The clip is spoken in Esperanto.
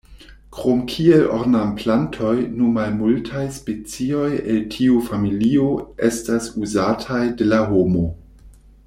Krom kiel ornamplantoj nu malmultaj specioj el tiu familio estas uzataj de la homo.